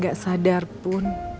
gak sadar pun